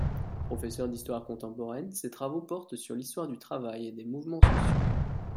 Professeur d'histoire contemporaine, ses travaux portent sur l'histoire du travail et des mouvements sociaux.